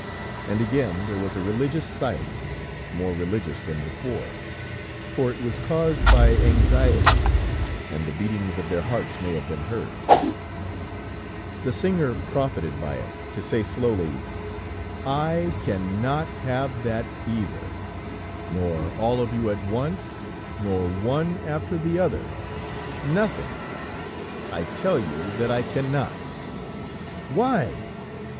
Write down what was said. And again there was a religious silence, more religious than before, for it wras caused by anxiety, and the beatings of their hearts may have been heard. The singer profited by it, to say slowly: "I cannot have that either; nor all of you at once, nor one after the other; nothing! I tell you that I cannot." "Why?